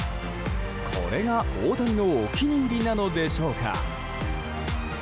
これが大谷のお気に入りなのでしょうか。